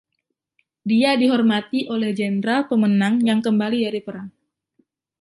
Dia dihormati oleh jenderal pemenang yang kembali dari perang.